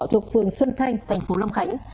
thuộc phường xuân thanh thành phố lâm khánh